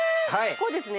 こうですね？